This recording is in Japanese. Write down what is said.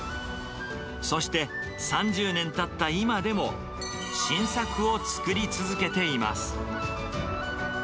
そして３０年たった今でも、新作を作り続けています。